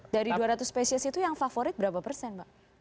dari dua ratus spesies itu yang favorit berapa persen mbak